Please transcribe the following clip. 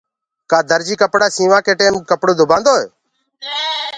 ڪآ درجي ڪپڙآ سينوآ ڪي ٽيم ڪپڙو دُبآندوئي